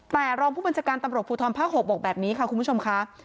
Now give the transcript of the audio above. แต่รองผู้บัญชาการตำรวจภูทรภาค๖บอกแบบนี้ค่ะคุณผู้ชมค่ะ